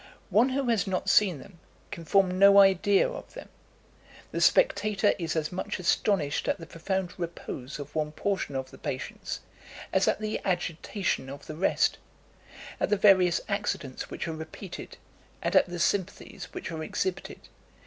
One who has not seen them can form no idea of them. The spectator is as much astonished at the profound repose of one portion of the patients as at the agitation of the rest at the various accidents which are repeated, and at the sympathies which are exhibited.